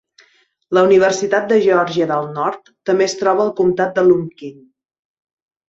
La Universitat de Geòrgia del Nord també es troba al comtat de Lumpkin.